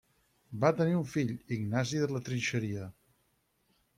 Va tenir un fill, Ignasi de la Trinxeria.